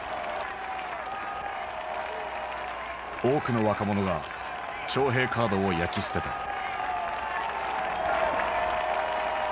多くの若者が徴兵カードを焼き捨てた。